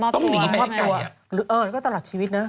ต้องหนีไปให้ไกลต้องมอบตัวเออแล้วก็ตลาดชีวิตนะ